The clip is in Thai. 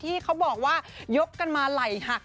ที่เขาบอกว่ายกกันมาไหล่หัก